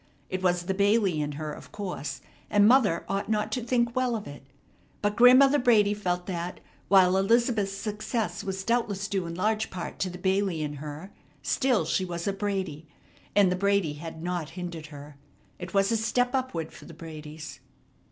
It was the Bailey in her, of course, and mother ought not to think well of it. But Grandmother Brady felt that, while Elizabeth's success was doubtless due in large part to the Bailey in her, still, she was a Brady, and the Brady had not hindered her. It was a step upward for the Bradys.